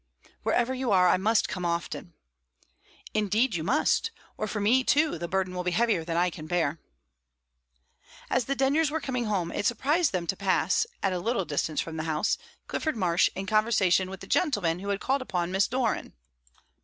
"Wherever you are, I must come often." "Indeed you must, or for me too the burden will be heavier than I can bear." As the Denyers were coming home, it surprised them to pass, at a little distance from the house, Clifford Marsh in conversation with the gentleman who had called upon Miss Doran.